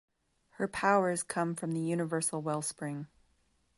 Her powers come from the Universal Wellspring.